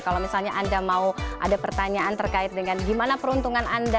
kalau misalnya anda mau ada pertanyaan terkait dengan gimana peruntungan anda